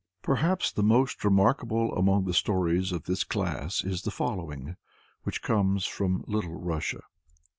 Perhaps the most remarkable among the stories of this class is the following, which comes from Little Russia.